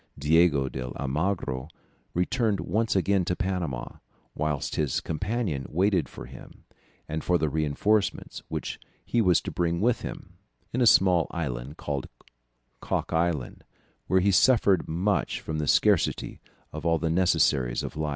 Diego de Almagro returned once again to Panama, whilst his companion waited for him and for the reinforcements which he was to bring with him, in a small island called Cock Island, where he suffered much from the scarcity of all the necessaries of life."